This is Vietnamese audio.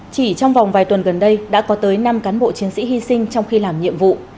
chỉ trong vòng vài tuần gần đây đã có tới năm cán bộ chiến sĩ hy sinh trong khi làm nhiệm vụ